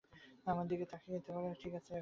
আমার দিকে তাকাতে পারো, ঠিক আছি এখন।